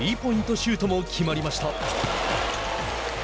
シュートも決まりました。